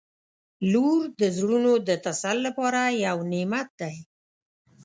• لور د زړونو د تسل لپاره یو نعمت دی.